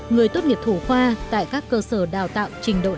người tốt nghiệp thủ khoa tại các cơ sở đào tạo trình độ